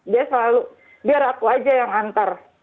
dia selalu biar aku aja yang antar